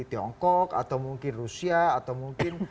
tiongkok atau mungkin rusia atau mungkin